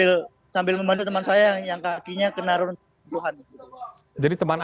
dan sambil membantu teman saya yang kakinya kena neruntuhan